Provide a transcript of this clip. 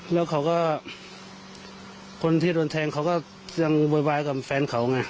แล้วเขาก็คนที่โดนแทงเขาก็ยังโวยวายกับแฟนเขาไง